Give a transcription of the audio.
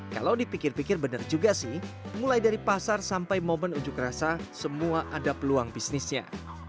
kalau dipikir pikir benar juga sih mulai dari pasar sampai momen unjuk rasa semua ada peluang bisnisnya